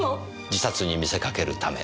自殺に見せかけるため。